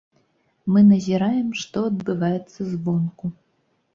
Мы назіраем, што адбываецца звонку.